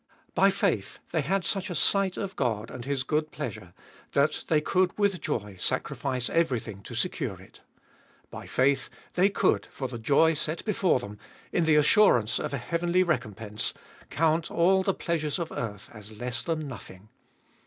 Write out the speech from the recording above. By faith they had such a sight of God and His good pleasure, that they could with joy sacrifice everything to secure it. By faith they could, for the joy set before them, in the assurance of a heavenly recompense, count all the pleasures of earth as less than nothing.